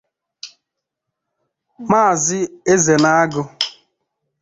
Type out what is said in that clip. Maazị Ezenagụ